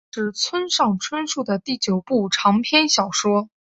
这是村上春树的第九部长篇小说。